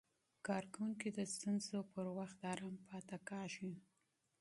کارکوونکي د ستونزو پر مهال آرام پاتې کېږي.